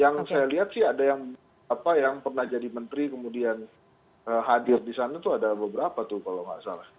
yang saya lihat sih ada yang pernah jadi menteri kemudian hadir di sana tuh ada beberapa tuh kalau nggak salah